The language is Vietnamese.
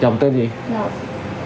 chồng em lấy dùm